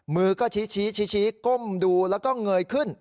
มือก็ชี้ก้มดูแล้วก็เงยขึ้น